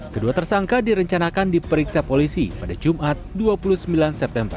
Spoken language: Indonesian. kedua tersangka direncanakan diperiksa polisi pada jumat dua puluh sembilan september